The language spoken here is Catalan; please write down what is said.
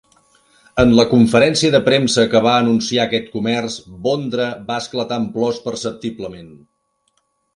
En la conferència de premsa que va anunciar aquest comerç, Bondra va esclatar en plors perceptiblement.